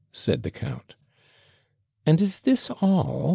said the count. 'And is this all?'